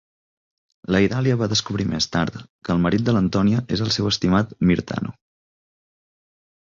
La Idalia va descobrir més tard que el marit de l'Antònia és el seu estimat Myrtano.